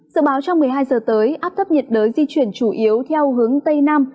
dự báo trong một mươi hai giờ tới áp thấp nhiệt đới di chuyển chủ yếu theo hướng tây nam